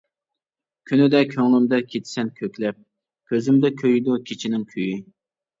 كۈنىدە كۆڭلۈمدە كېتىسەن كۆكلەپ، كۆزۈمدە كۆيىدۇ كېچىنىڭ كۈيى.